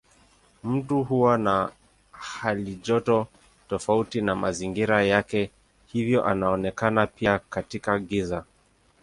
Mtu huwa na halijoto tofauti na mazingira yake hivyo anaonekana pia katika giza.